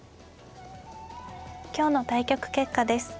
今日の対局結果です。